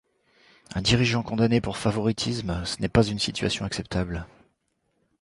Un dirigeant condamné pour favoritisme, ce n'est pas une situation acceptable.